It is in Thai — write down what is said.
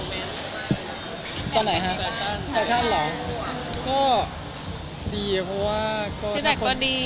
ดีอะเพราะว่าถ้าคนชอบที่แท็กก็ดี